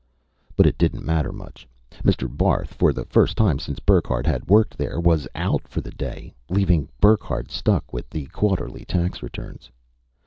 But it didn't matter much. Mr. Barth, for the first time since Burckhardt had worked there, was out for the day leaving Burckhardt stuck with the quarterly tax returns.